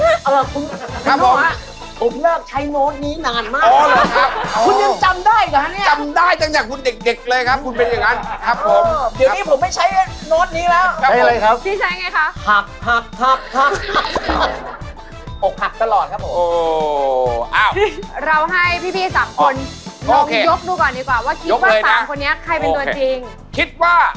เฮ้ยเฮ้ยเฮ้ยเฮ้ยเฮ้ยเฮ้ยเฮ้ยเฮ้ยเฮ้ยเฮ้ยเฮ้ยเฮ้ยเฮ้ยเฮ้ยเฮ้ยเฮ้ยเฮ้ยเฮ้ยเฮ้ยเฮ้ยเฮ้ยเฮ้ยเฮ้ยเฮ้ยเฮ้ยเฮ้ยเฮ้ยเฮ้ยเฮ้ยเฮ้ยเฮ้ยเฮ้ยเฮ้ยเฮ้ยเฮ้ยเฮ้ยเฮ้ยเฮ้ยเฮ้ยเฮ้ยเฮ้ยเฮ้ยเฮ้ยเฮ้ยเฮ้ยเฮ้ยเฮ้ยเฮ้ยเฮ้ยเฮ้ยเฮ้ยเฮ้ยเฮ้ยเฮ้ยเฮ้ยเฮ